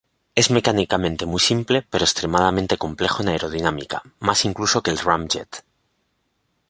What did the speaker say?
Es mecánicamente muy simple pero extremadamente complejo en aerodinámica, más incluso que el ramjet.